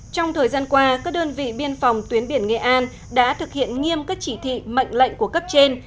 trong thời gian qua các đơn vị biên phòng tuyến biển nghệ an đã thực hiện nghiêm các chỉ thị mệnh lệnh của cấp trên